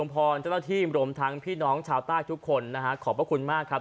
เพราะฉะนั้นการเตรียมกายเปรียมใจของพี่น้องปราศจิริก็ดีขึ้นเยอะครับ